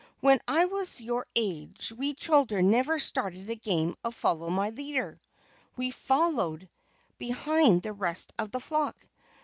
When I was your age we children never started a game of Follow My Leader. We followed behind the rest of the flock.